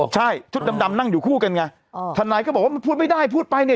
ใช่ชุดดำนั่งอยู่คู่กันไงทนายก็บอกว่ามันพูดไม่ได้พูดไปเนี่ย